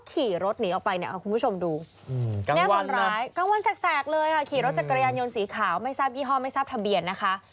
ขี่รถจักรยานยนต์สีขาวไม่ทรัพย์ยี่ห้อไม่ทรัพย์ทะเบียนนะคะ